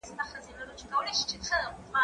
زه پرون واښه راوړله!.